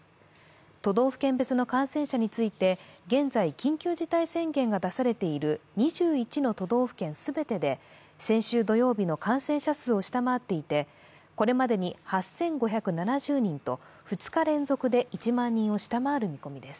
都道府県別の感染者について現在緊急事態宣言が出されている２１の都道府県全てで先週土曜日の感染者数を下回っていてこれまでに８５７０人と２日連続で１万人を下回る見込みです。